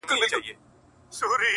نړيږي جوړ يې کړئ دېوال په اسويلو نه سي’